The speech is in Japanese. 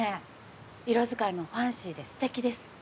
色遣いもファンシーですてきです。